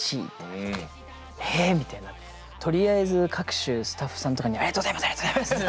「え！？」みたいなとりあえず各種スタッフさんとかに「ありがとうございます！」って